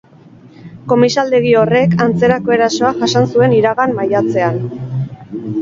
Komisaldegi horrek antzerako erasoa jasan zuen iragan maiatzean.